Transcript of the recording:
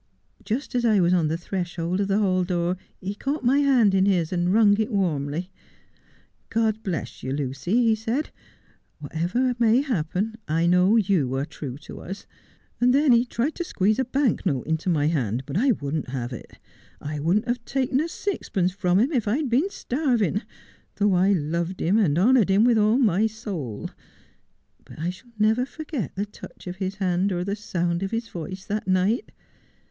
Just as I was on the threshold of the hall door he caught my hand in his, and wrung it warmly. " God bless you, Lucy," he said. " Whatever may happen, I know you are true to us," and then he tried to sqeeze a bank note into my hand, but I wouldn't have it. I wouldn't have taken a sixpence from him if I had been starving, though I loved him and honoured him with all my soul. But I shall never forget the touch of his hand or the sound of his voice that night.